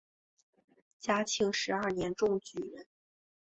嘉庆十二年中举人。